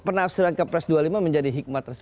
penasaran ke pres dua puluh lima menjadi hikmat